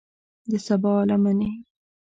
د سبا لمنې